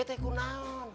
ya teh kunang